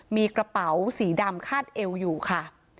มีกระเป๋าสีดำคาดเอวอยู่ค่ะ